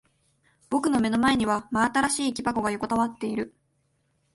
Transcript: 僕の目の前には真新しい木箱が横たわっている。